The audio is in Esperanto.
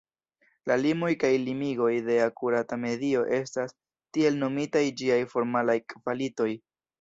La limoj kaj limigoj de akurata medio estas tiel nomitaj ĝiaj formalaj kvalitoj.